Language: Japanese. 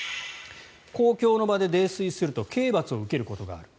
公共の場で泥酔すると刑罰を受けることがある。